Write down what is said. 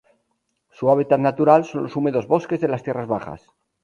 Su hábitat natural son los húmedos bosques de las tierras bajas.